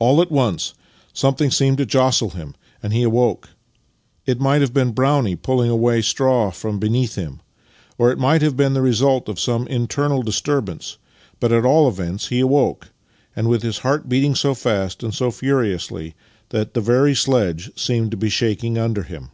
All at once something seemed to jostle him, and he awoke. It might have been Brownie pulling away straw from beneath him. or it might have been the result of some internal disturbance, but at all events he awoke — and with his heart beating so fast and so furiously that the ver)^ sledge seemed to be shaking under him.